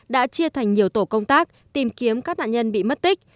đã chia thành nhiều tổ công tác tìm kiếm các nạn nhân bị mất tích